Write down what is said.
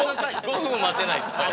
５分も待てないと。